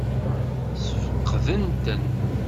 Ssfeqden-ten?